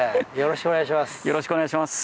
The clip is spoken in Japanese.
よろしくお願いします。